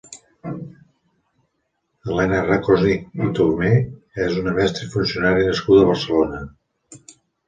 Helena Rakòsnik i Tomé és una mestra i funcionària nascuda a Barcelona.